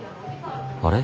あれ？